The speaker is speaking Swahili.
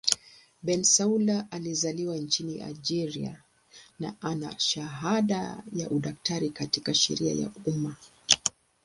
Bensaoula alizaliwa nchini Algeria na ana shahada ya udaktari katika sheria ya umma.